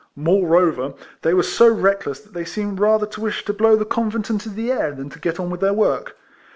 ^loreover, they were so reckless, that they seemed rather to msh to blow the con vent into the air than to get on with their work.